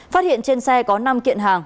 phát hiện trên xe có năm kiện hàng